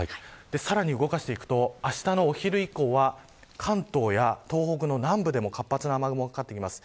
さらに動かしていくとあしたのお昼以降は関東や東北の南部でも活発な雨雲かかってきます。